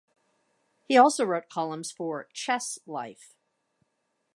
He also wrote columns for "Chess Life".